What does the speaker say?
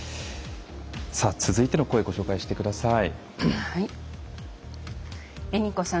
続いての声ご紹介してください。